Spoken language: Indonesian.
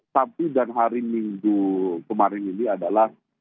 tapi dan hari minggu kemarin ini adalah